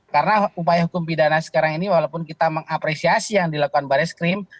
karena upaya hukum pidana sekarang ini walaupun kita mengapresiasi yang dilakukan baris krim